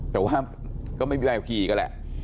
แต่ว่าก็ไม่มีใบขับขี่ก็แหละ